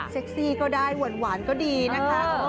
เซ็กซี่ก็ได้เหว่นก็ดีนะคะ